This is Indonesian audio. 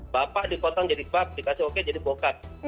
bapak dipotong jadi bab dikasih oke jadi bokat